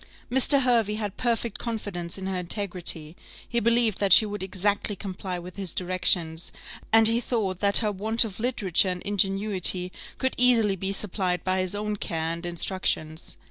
Mr. Hervey had perfect confidence in her integrity; he believed that she would exactly comply with his directions, and he thought that her want of literature and ingenuity could easily be supplied by his own care and instructions.